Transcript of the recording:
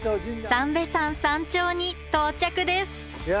三瓶山山頂に到着ですいや